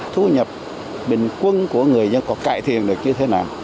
thu nhập bình quân của người dân có cải thiện được như thế nào